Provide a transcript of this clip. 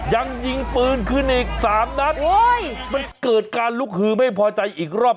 ยังยิงปืนขึ้นอีกสามนัดโอ้ยมันเกิดการลุกฮือไม่พอใจอีกรอบ